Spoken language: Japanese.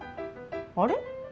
あれ？